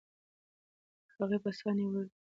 هغې په ساه نیولي حال کې خپلې سترګې په تنهایۍ کې رڼې کړې.